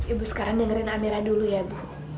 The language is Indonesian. ibu sekarang dengerin amera dulu ya bu